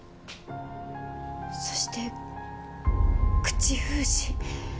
そして口封じ。